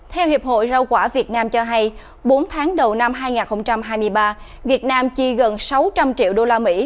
theo hiệp hội rau quả việt nam cho hay bốn tháng đầu năm hai nghìn hai mươi ba việt nam chi gần sáu trăm linh triệu đô la mỹ